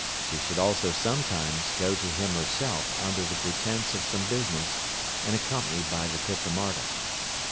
She should also sometimes go to him herself under the pretence of some business, and accompanied by the Pithamarda.